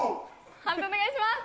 判定お願いします。